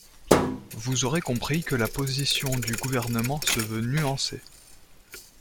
Vous aurez compris que la position du Gouvernement se veut nuancée.